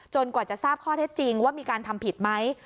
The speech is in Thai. กว่าจะทราบข้อเท็จจริงว่ามีการทำผิดไหม